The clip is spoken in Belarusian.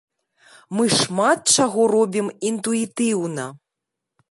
Мы шмат чаго робім інтуітыўна!